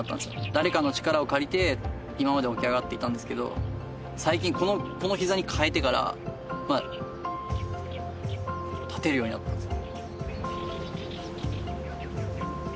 誰かの力を借りて今まで起き上がっていたんですけど、最近、このひざに変えてから、立てるようになったんです。